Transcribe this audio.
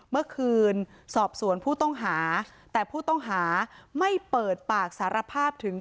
เมื่อคืนสอบสวนผู้ต้องหาแต่ผู้ต้องหาไม่เปิดปากสารภาพถึง